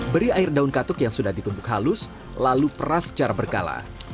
beri air daun katuk yang sudah ditumbuk halus lalu peras secara berkala